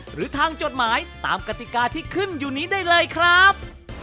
หรือทางจดหมายตามกติกาที่ขึ้นอยู่นี้ได้เลยครับ